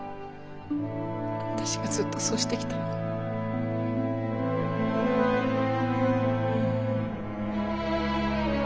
私がずっとそうしてきたように。